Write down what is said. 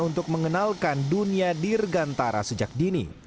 untuk mengenalkan dunia dirgantara sejak dini